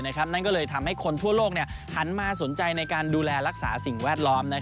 นั่นก็เลยทำให้คนทั่วโลกหันมาสนใจในการดูแลรักษาสิ่งแวดล้อม